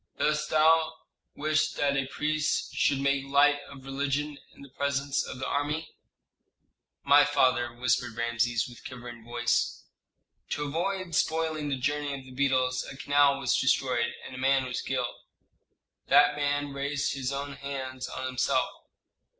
"Dost thou wish that a priest should make light of religion in the presence of the army?" "My father," whispered Rameses, with quivering voice, "to avoid spoiling the journey of the beetles a canal was destroyed, and a man was killed." "That man raised his own hands on himself."